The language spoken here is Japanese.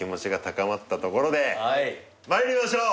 まいりましょう！